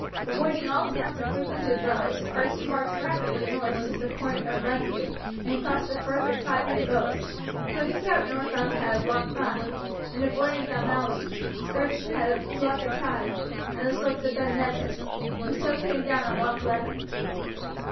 Avoiding all towns and frequented roads, Archie marched rapidly north to the point of Renfrew and crossed the Firth of Clyde by boat; then he kept north round the head of Loch Fyne, and avoiding Dalmally skirted the head of Loch Etive and the slopes of Ben Nevis, and so came down on Loch Leven.